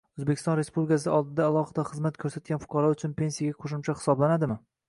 O‘zbekiston Respublikasi oldida alohida xizmat ko‘rsatgan fuqarolar uchun pensiyaga qo‘shimcha hisoblanadimi?